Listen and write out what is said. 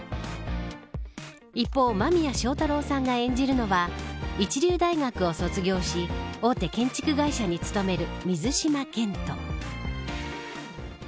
一方、間宮祥太朗さんが演じるのは一流大学を卒業し大手建築会社に勤める水島健人。